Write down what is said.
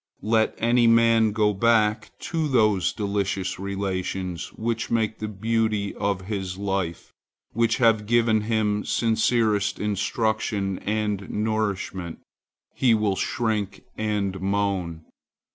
Let any man go back to those delicious relations which make the beauty of his life, which have given him sincerest instruction and nourishment, he will shrink and moan.